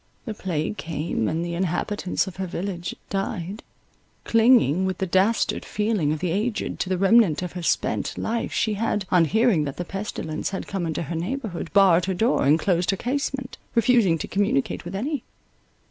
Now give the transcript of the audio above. The plague came, and the inhabitants of her village died. Clinging, with the dastard feeling of the aged, to the remnant of her spent life, she had, on hearing that the pestilence had come into her neighbourhood, barred her door, and closed her casement, refusing to communicate with any.